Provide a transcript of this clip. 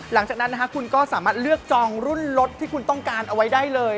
หลังจากนั้นนะคะคุณก็สามารถเลือกจองรุ่นรถที่คุณต้องการเอาไว้ได้เลย